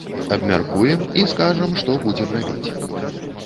Абмяркуем і скажам, што будзем рабіць.